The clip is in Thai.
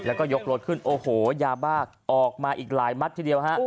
แล้วก็ยกรถขึ้นโอ้โหยาบ้าออกมาอีกหลายมัดทีเดียวฮะ